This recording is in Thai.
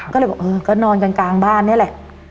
ก็เลยบอกเออก็นอนกลางบ้านนี่แหละ